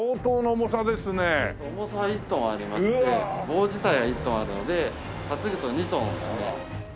重さは１トンありまして棒自体が１トンあるので担ぐと２トンですね。